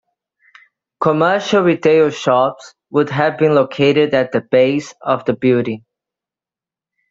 Commercial retail shops would have been located at the base of the building.